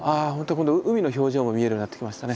今度は海の表情も見えるようになってきましたね。